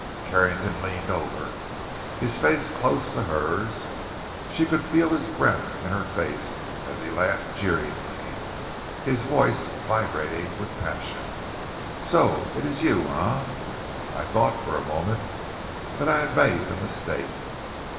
Carrington leaned over, his face close to hers; she could feel his breath in her face as he laughed jeeringly, his voice vibrating with passion: "So it is you, eh? I thought for a moment that I had made a mistake!"